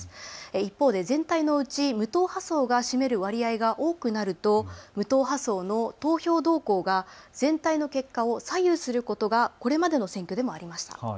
一方で全体のうち無党派層が占める割合が大きくなると無党派層の投票動向が全体の結果を左右することがこれまでの選挙でもありました。